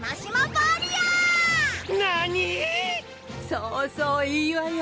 そうそういいわよ。